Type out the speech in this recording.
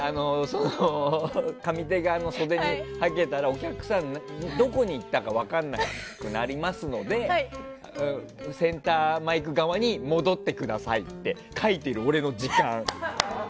上手側の袖にはけたらお客さん、どこに行ったか分からなくなりますのでセンターマイク側に戻ってくださいって書いている俺の時間。